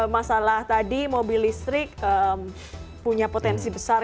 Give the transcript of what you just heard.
masalah tadi mobil listrik punya potensi besar